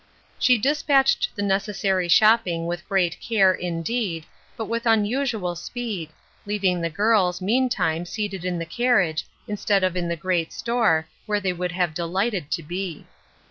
She dispatched the necessary shopping with great care, indeed, but with unusual speed, leav ing the girls, meantime, seated in the carriage, instead of in the great store, where they would have delighted to be.